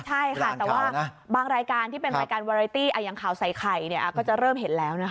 ใช่ค่ะแต่ว่าบางรายการที่เป็นรายการวาเรตี้อย่างข่าวใส่ไข่ก็จะเริ่มเห็นแล้วนะคะ